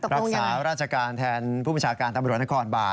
รักษาราชการแทนผู้ประชาการตำรวจนครบาล